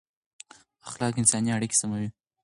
اخلاق انساني اړیکې سموي